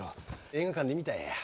映画館で見たんや。